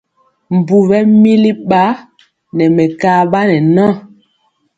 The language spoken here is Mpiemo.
Mbu ɓɛmili ba ne mekaba ne ŋa.